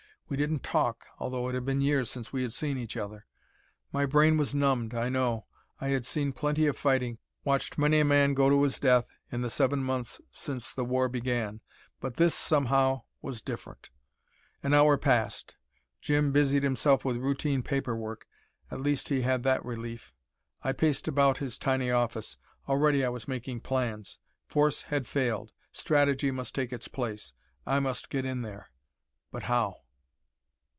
We didn't talk, though it had been years since we had seen each other. My brain was numbed, I know. I had seen plenty of fighting, watched many a man go to his death in the seven months since the war began. But this, somehow, was different. An hour passed. Jim busied himself with routine paper work. At least he had that relief. I paced about his tiny office. Already I was making plans. Force had failed. Strategy must take its place. I must get in there. But how?